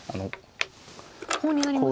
コウになりますね。